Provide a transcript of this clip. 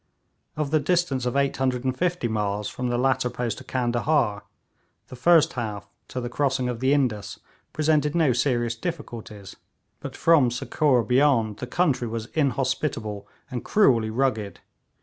Of the distance of 850 miles from the latter post to Candahar the first half to the crossing of the Indus presented no serious difficulties, but from Sukkur beyond the country was inhospitable and cruelly rugged.